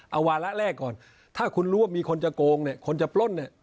เอาวาระแรกก่อนถ้าคุณรู้ว่ามีคนจะโกงเนี่ยคนจะปล้นเนี่ย